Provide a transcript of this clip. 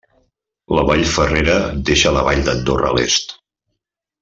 La vall Ferrera deixa la vall d'Andorra a l'est.